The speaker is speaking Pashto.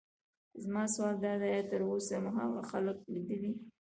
زما سوال دادی: ایا تراوسه مو هغه خلک لیدلي.